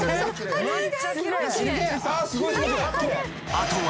［あとは］